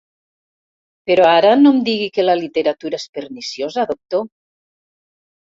Però ara no em digui que la literatura és perniciosa, doctor.